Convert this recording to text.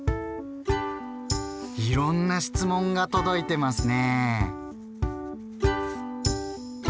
いろんな質問が届いてますね。